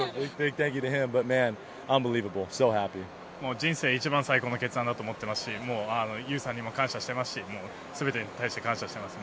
人生一番最高の決断だと思ってますし有さんにも感謝してますし全てに対して感謝しています。